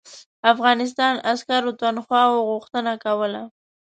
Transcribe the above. افغانستان عسکرو تنخواوو غوښتنه کوله.